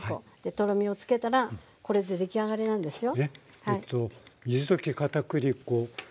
とろみをつけたらこれで出来上がりなんですよ。